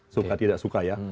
suka tidak suka ya